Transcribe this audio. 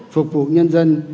phục vụ nhân dân